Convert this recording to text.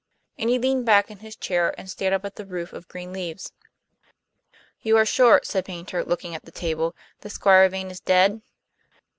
And he leaned back in his chair and stared up at the roof of green leaves. "You are sure," said Paynter, looking at the table, "that Squire Vane is dead?"